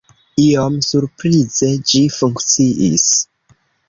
Iom surprize, ĝi funkciis.